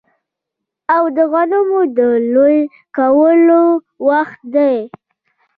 او د غنمو د لو کولو وخت دی